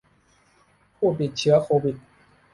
ผู้ติดเชื้อโควิด